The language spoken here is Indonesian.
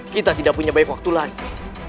kita tidak punya baik waktu lagi